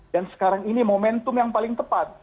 dan sekarang ini momentum yang paling tepat